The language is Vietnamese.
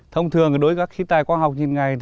thông thường đối với các khí tài khoa học nhìn ngày